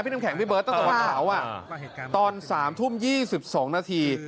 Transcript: พี่น้ำแข็งพี่เบิร์ทตอนสามทุ่มยี่สิบสองนาที